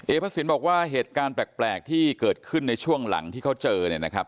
พระศิลป์บอกว่าเหตุการณ์แปลกที่เกิดขึ้นในช่วงหลังที่เขาเจอเนี่ยนะครับ